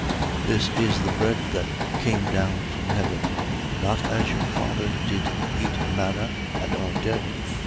6:59. This is the bread that came down from heaven. Not as your fathers did eat manna and are dead.